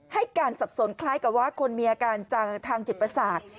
ให้การสับสนคล้ายกับว่าคนมีอาการทางจิตประสาท